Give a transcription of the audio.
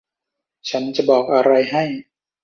ฉันจะบอกอะไรให้